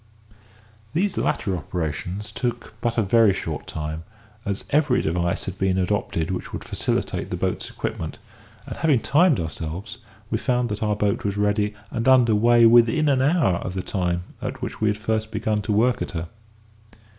These latter operations took but a very short time, as every device had been adopted which would facilitate the boat's equipment; and, having timed ourselves, we found that our boat was ready and under weigh within an hour of the time at which we had first begun to work at her.